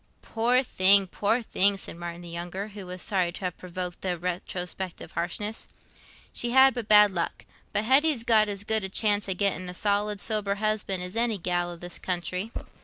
"Poor thing, poor thing!" said Martin the younger, who was sorry to have provoked this retrospective harshness. "She'd but bad luck. But Hetty's got as good a chance o' getting a solid, sober husband as any gell i' this country."